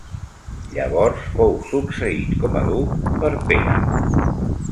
Llavors fou succeït com a duc per Pere.